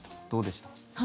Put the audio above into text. どうでした？